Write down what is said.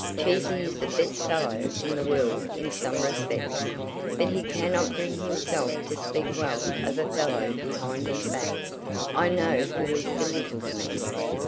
Cheesy is the best fellow in the world in some respects, but he cannot bring himself to speak well of a fellow behind his back. I know who has belittled me.